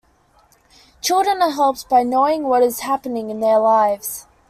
Children are helped by knowing what is happening in their lives.